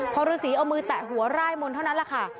พอฤษีเอามือแตะหัวร่ายมนต์เท่านั้นแหละค่ะ